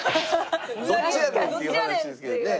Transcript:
どっちやねんっていう話ですけどね。